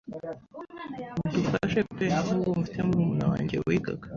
mudufashe pe nk’ubu mfite murumuna wanjye wigaga